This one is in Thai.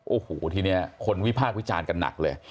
โอ้โหทีนี้คนวิพากษ์วิจารณ์กันหนักเลย